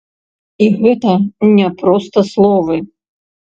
І гэта не проста словы.